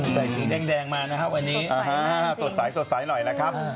สีแดงมานะครับวันนี้สดใสหน่อยนะครับ